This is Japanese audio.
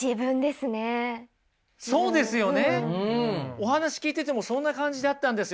お話聞いててもそんな感じだったんですよ